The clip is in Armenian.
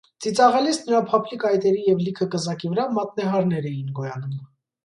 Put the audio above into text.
Ծիծաղելիս նրա փափլիկ այտերի և լիքը կզակի վրա մատնեհարներ էին գոյանում: